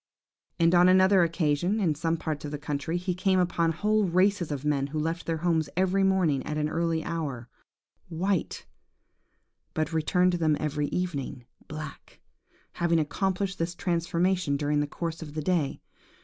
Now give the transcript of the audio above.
"And on another occasion, in some parts of the country, he came upon whole races of men who left their homes every morning at an early hour, white, but returned to them every evening black, having accomplished this transformation during the course of the day.